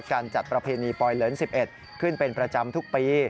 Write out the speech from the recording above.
การจัดประเพณีปลอยเหลิน๑๑ขึ้นเป็นประจำทุกปี